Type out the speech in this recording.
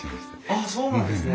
あっそうなんですね。